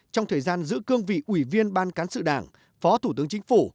trong thời gian giữ cương vị ủy viên ban cán sự đảng phó thủ tướng chính phủ